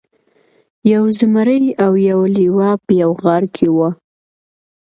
یو زمری او یو لیوه په یوه غار کې وو.